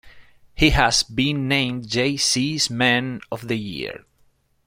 He has been named Jaycees Man of the Year.